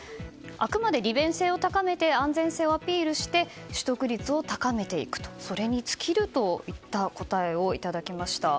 あくまで利便性を高めて安全性をアピールして取得率を高めていくそれに尽きるといった答えをいただきました。